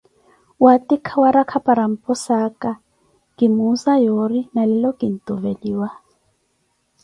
waatikha warakha para mposaaka, kimuuza yoori nalelo kintuveliwa.